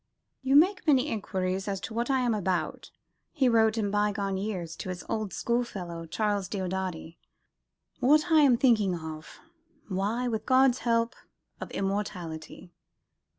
"You make many enquiries as to what I am about" he wrote in bygone years to his old schoolfellow, Charles Diodati. "What am I thinking of? Why with God's help, of immortality!